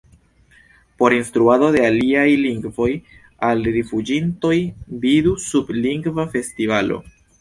Por instruado de aliaj lingvoj al rifuĝintoj: vidu sub Lingva Festivalo.